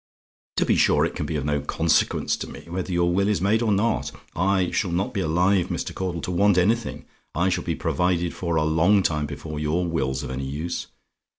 "To be sure, it can be of no consequence to me whether your will is made or not. I shall not be alive, Mr. Caudle, to want anything: I shall be provided for a long time before your will's of any use.